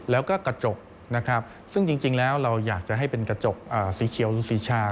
แล้วก็กระจกนะครับซึ่งจริงแล้วเราอยากจะให้เป็นกระจกสีเขียวหรือสีชา